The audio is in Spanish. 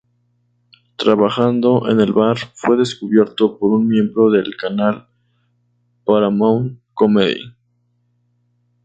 Trabajando en el bar fue descubierto por un miembro del canal Paramount Comedy.